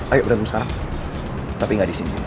ayo berantem sama tapi gak disini